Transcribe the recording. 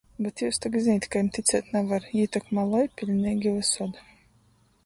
Bet jius tok zinit, ka jim ticēt navar, jī tok maloj piļneigi vysod...